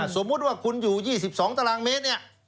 สมมุติว่าคุณอยู่๒๒ตารางเมตรเนี่ย